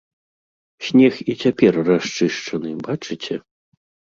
Снег і цяпер расчышчаны, бачыце?